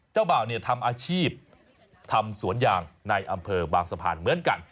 เจ้าบ่าวทำอาชีพทำสวนยางในอำเภอบางสะพานเหมือนกัน